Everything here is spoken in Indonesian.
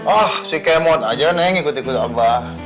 oh sih kayak muat aja nih yang ikut ikut abah